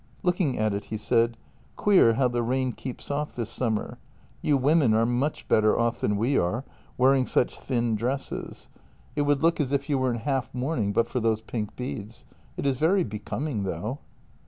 Looking at it, he said :" Queer how the rain keeps off this summer. You women are much better off than we are, wearing such thin dresses. It 228 JENNY would look as if you were in half mourning but for those pink beads. It is very becoming, though."